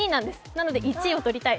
なので１位を取りたい。